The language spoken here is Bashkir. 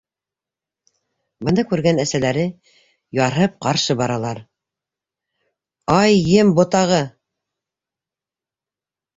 Быны күргән әсәләре ярһып ҡаршы баралар: - Ай, ен ботағы!